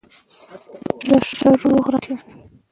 زه ښه روغ رمټ یم.